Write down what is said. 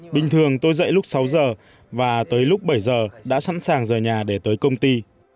bình thường tôi dậy lúc sáu giờ và tới lúc bảy giờ đã sẵn sàng rời nhà để tới công ty